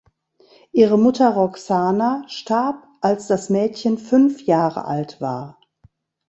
Ihre Mutter Roxana starb, als das Mädchen fünf Jahre alt war.